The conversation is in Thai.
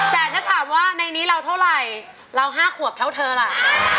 แต่ถ้าถามว่าในนี้เราเท่าไหร่เรา๕ขวบเท่าเธอล่ะ